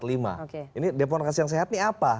ini demokrasi yang sehat ini apa